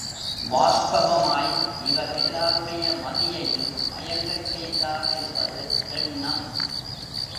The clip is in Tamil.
வாஸ்தவமாய் இவர் எல்லாருடைய மதியையும் மயங்கச் செய்தார் என்பது திண்ணம்!